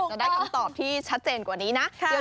จะได้คำตอบที่ชัดเจนกว่านี้นะ